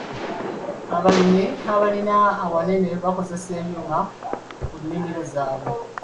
Abalimi abalima awanene bakozesa ebyuma ku nnimiro zaabwe.